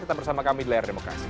tetap bersama kami di layar demokrasi